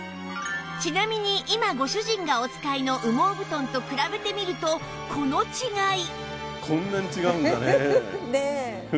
ちなみに今ご主人がお使いの羽毛布団と比べてみるとこの違い